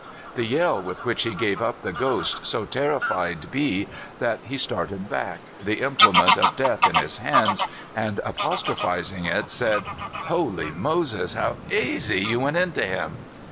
The yell with which he gave up the ghost so terrified B that he started back, the implement of death in his hands, and, apostrophizing it, said, 'Holy Moses! how aisy you went into him!